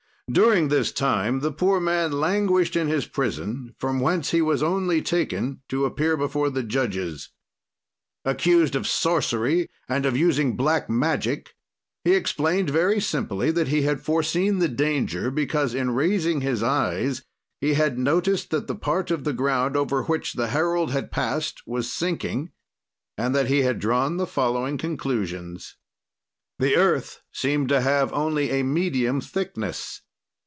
"During this time the poor man languished in his prison, from whence he was only taken to appear before the judges. "Accused of sorcery and of using black magic, he explained very simply that he had foreseen the danger, because in raising his eyes he had noticed that the part of the ground over which the herald had passed was sinking, and that he had drawn the following conclusions: "The earth seemed to have only a medium thickness.